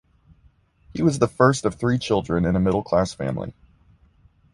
He was the first of three children in a middle-class family.